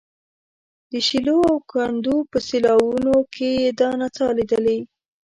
د شیلو او کندو په سیلاوونو کې یې دا نڅا لیدلې.